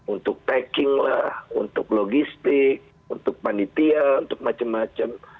untuk packing lah untuk logistik untuk panitia untuk macam macam